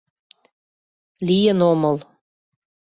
— Лийын омыл.